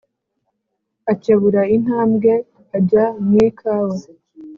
Akebura intambwe ajya mu ikawa